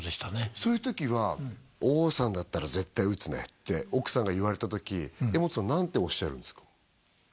そういう時は王さんだったら絶対打つねって奥さんが言われた時柄本さん何ておっしゃるんすか？